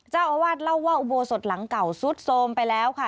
เจ้าอาวาสเล่าว่าอุโบสถหลังเก่าซุดโทรมไปแล้วค่ะ